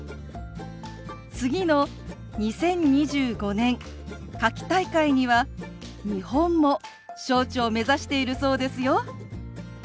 次の２０２５年夏季大会には日本も招致を目指しているそうですよ。